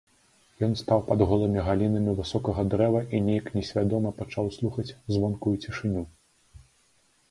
Ён стаў пад голымі галінамі высокага дрэва і нейк несвядома пачаў слухаць звонкую цішыню.